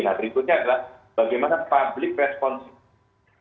nah berikutnya adalah bagaimana public responsif